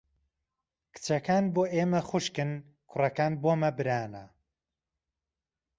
کچەکان بۆ ئێمە خووشکن کوڕەکان بۆمە برانە